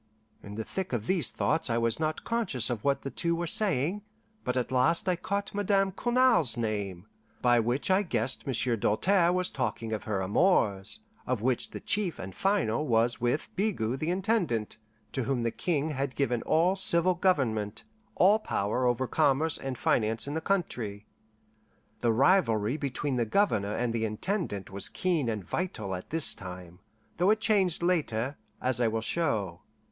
In the thick of these thoughts I was not conscious of what the two were saying, but at last I caught Madame Cournal's name; by which I guessed Monsieur Doltaire was talking of her amours, of which the chief and final was with Bigot the Intendant, to whom the King had given all civil government, all power over commerce and finance in the country. The rivalry between the Governor and the Intendant was keen and vital at this time, though it changed later, as I will show.